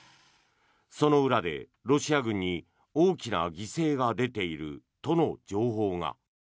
その裏で、ロシア軍に大きな犠牲が出ているとの情報が。